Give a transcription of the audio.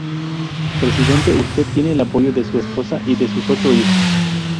Presidente, usted tiene el apoyo de su esposa y de sus ocho hijos.